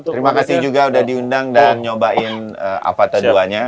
terima kasih juga udah diundang dan nyobain avata dua nya